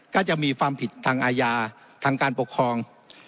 ก็จะมีความผิดทางอาญาทางการปกครอง